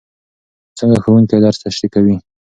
څنګه ښوونکی درس تشریح کوي؟